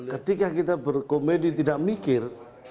ketika kita berkomedi tidak mikir